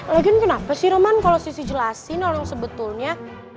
lagian kenapa sih roman kalau sisi jelasin orang sebetulnya